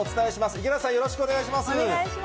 五十嵐さん、よろしくお願いします。